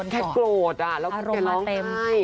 แค่โกรธอะอารมณ์เต็ม